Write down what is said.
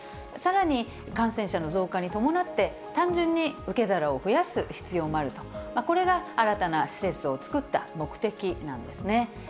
さらに、感染者の増加に伴って、単純に受け皿を増やす必要もあると、これが新たな施設を作った目的なんですね。